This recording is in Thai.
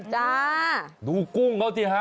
ดูกุ้งเขาที่ฮะ